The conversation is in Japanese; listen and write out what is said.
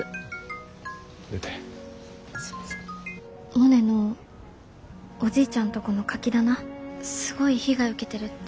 モネのおじいちゃんとこのカキ棚すごい被害受けてるって。